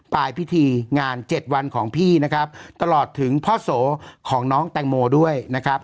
ปลายพิธีงานเจ็ดวันของพี่นะครับตลอดถึงพ่อโสของน้องแตงโมด้วยนะครับ